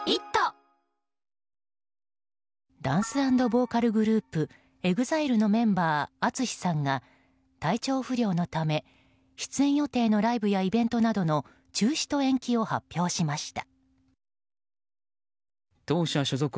ダンス＆ボーカルグループＥＸＩＬＥのメンバーＡＴＳＵＳＨＩさんが体調不良のため出演予定のライブやイベントなどの中止と延期を発表しました。